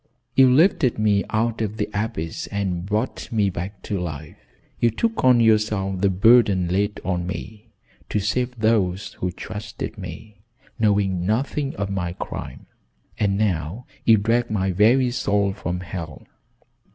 You lifted me out of the abyss and brought me back to life. You took on yourself the burden laid on me, to save those who trusted me, knowing nothing of my crime, and now you drag my very soul from hell.